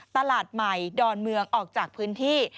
ตลาดใหม่ดอนเมืองออกจากพื้นที่